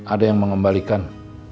ada yang mengembalikan